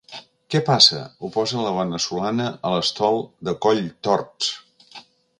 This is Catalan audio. Què passa? —oposa la veneçolana a l'estol de colltorts—.